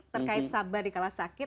terkait sabar di kala sakit